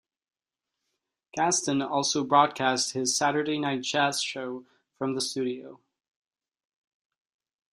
Kasten also broadcast his 'Saturday Night Jazz' show from the studio.